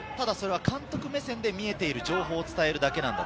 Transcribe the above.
監督目線で見えている情報を伝えるだけなんだ。